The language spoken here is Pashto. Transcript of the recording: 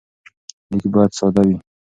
لیک باید ساده وي.